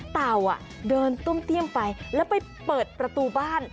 เต่าเดินตุ้มเตี้ยมไปแล้วไปเปิดประตูบ้าน